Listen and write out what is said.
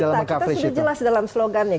kalau kita kita sudah jelas dalam slogan ya